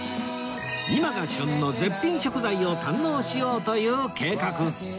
今が旬の絶品食材を堪能しようという計画